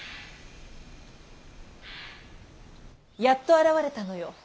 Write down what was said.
やっと現れたのよ